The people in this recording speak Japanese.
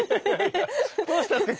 どうしたんですか？